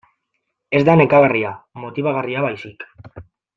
Ez da nekagarria, motibagarria baizik.